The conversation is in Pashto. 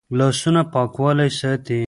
لاسونه پاکوالی ساتي